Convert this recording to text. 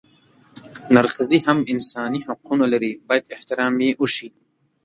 نرښځي هم انساني حقونه لري بايد احترام يې اوشي